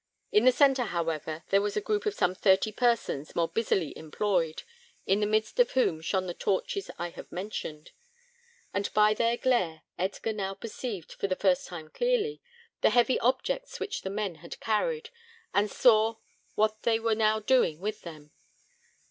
In the centre, however, there was a group of some thirty persons, more busily employed, in the midst of whom shone the torches I have mentioned; and by their glare, Edgar now perceived, for the first time clearly, the heavy objects which the men had carried, and saw what they were now doing with them.